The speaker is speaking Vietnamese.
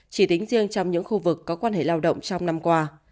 chỉ tính riêng trong những khu vực có quan hệ lao động trong năm qua